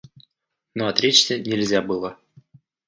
Но отречься нельзя было.